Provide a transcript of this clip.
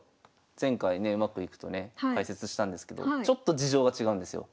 前回ねうまくいくとね解説したんですけどちょっと事情が違うんですよ。